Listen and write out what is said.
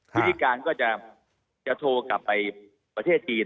วิธีการก็จะโทรกลับไปประเทศจีน